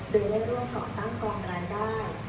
โดยได้เริ่มก่อตั้งกองรายได้